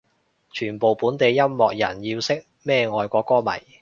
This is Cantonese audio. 全部本地音樂人要識咩外國歌迷